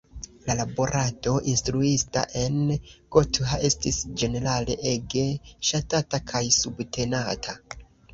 La laborado instruista en Gotha estis ĝenerale ege ŝatata kaj subtenata.